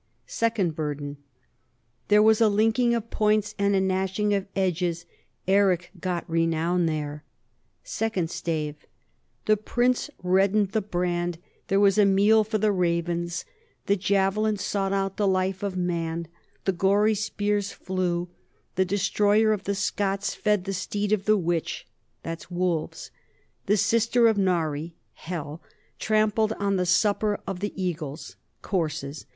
Second Burden : There was a linking of points and a gnash ing of edges: Eric got renown there. Second Stave :The prince reddened the brand, there was a meal for the ravens; the javelin sought out the life of man, the gory spears flew, the destroyer of the Scots fed the steed of the witch [wolves], the sister of Nari [Hell] trampled on the supper of the eagles [corses].